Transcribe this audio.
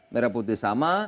merah putih sama